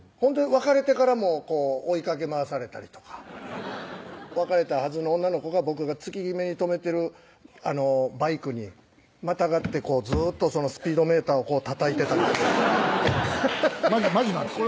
別れてからも追いかけ回されたりとか別れたはずの女の子が僕が月極に止めてるバイクにまたがってずーっとスピードメーターをこうたたいてたとかハハハハッマジなんですよ